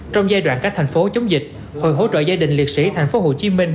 trong giai đoạn các thành phố chống dịch hội hỗ trợ gia đình liệt sĩ thành phố hồ chí minh